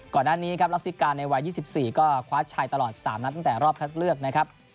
ก่อนหน้านี้ครับรัสซิกาในวัย๒๔ก็คว้าชัยตลอด๓นัดตั้งแต่รอบคัดเลือกนะครับ